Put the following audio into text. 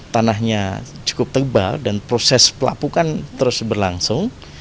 tanahnya cukup tebal dan proses pelapukan terus berlangsung